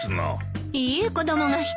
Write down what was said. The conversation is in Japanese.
いいえ子供が１人。